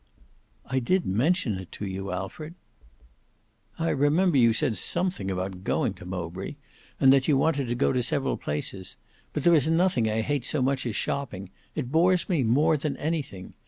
"I did mention it to you, Alfred." "I remember you said something about going to Mowbray, and that you wanted to go to several places. But there is nothing I hate so much as shopping. It bores me more than anything.